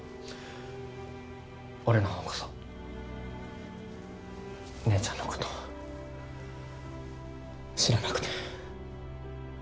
俺の方こそ姉ちゃんのこと知らなくて。